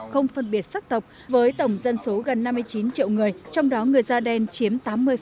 không phân biệt sắc tộc với tổng dân số gần năm mươi chín triệu người trong đó người da đen chiếm tám mươi